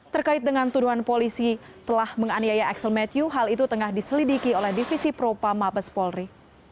terkait dengan tuduhan polisi telah menganiaya axel matthew hal itu tengah diselidiki oleh divisi propa mabes polri